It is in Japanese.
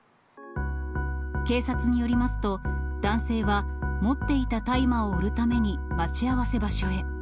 警察によりますと、男性は持っていた大麻を売るために待ち合わせ場所へ。